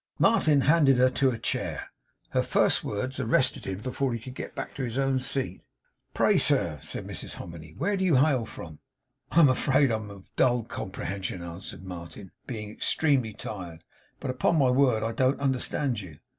Martin handed her to a chair. Her first words arrested him before he could get back to his own seat. 'Pray, sir!' said Mrs Hominy, 'where do you hail from?' 'I am afraid I am dull of comprehension,' answered Martin, 'being extremely tired; but upon my word I don't understand you.